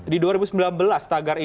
di dua ribu sembilan belas tagar ini